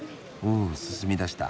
お進みだした。